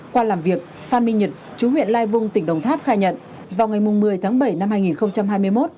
qua làm việc phan minh nhật chú huyện lai vung tỉnh đồng tháp khai nhận vào ngày một mươi tháng bảy năm hai nghìn hai mươi một